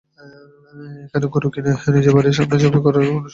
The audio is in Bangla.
এখানে গরু কিনে নিজের বাড়ির সামনে জবাই করার কোনো সুযোগ নেই।